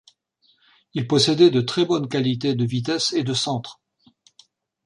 Il possédait de très bonnes qualités de vitesse et de centre.